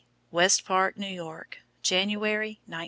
WEST PARK, NEW YORK, January, 1902.